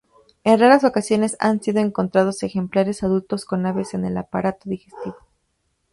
En raras ocasiones han sido encontrados ejemplares adultos con aves en el aparato digestivo.